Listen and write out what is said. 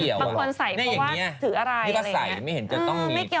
ที่ก็ใส่พูดว่าไม่เห็นจะต้องกี่